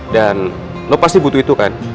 dan lo pasti butuh itu kan